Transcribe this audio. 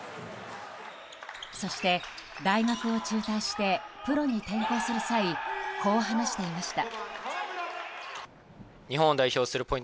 そして大学を中退してプロに転向する際こう話していました。